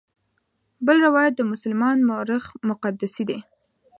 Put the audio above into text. بل روایت د مسلمان مورخ مقدسي دی.